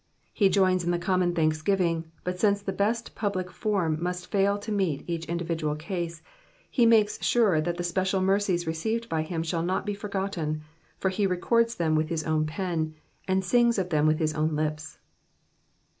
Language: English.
He joins in the common thanksgiving, but since the best public form must fail to meet each individual case, he makes sure that the special mercies received by him shall not be forgotten, for he records them with his own peo, and sings of them with his own lips.